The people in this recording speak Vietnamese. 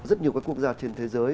rất nhiều các quốc gia trên thế giới